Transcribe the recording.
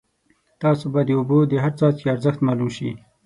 تاسو ته به د اوبو د هر څاڅکي ارزښت معلوم شي.